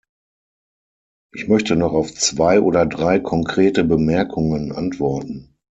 Ich möchte noch auf zwei oder drei konkrete Bemerkungen antworten.